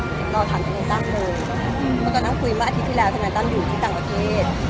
แต่ตอนนั้นเคยคุยที่แล้วธนายตัมอยู่ที่ต่างประเทศ